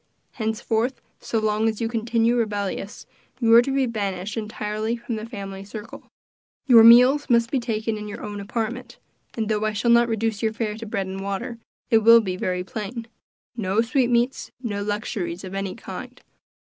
Henceforth, so long as you continue rebellious, you are to be banished entirely from the family circle; your meals must be taken in your own apartment, and though I shall not reduce your fare to bread and water, it will be very plain no sweetmeats no luxuries of any kind.